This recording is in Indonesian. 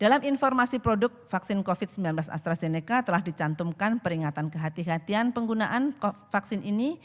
dalam informasi produk vaksin covid sembilan belas astrazeneca telah dicantumkan peringatan kehatian kehatian penggunaan vaksin ini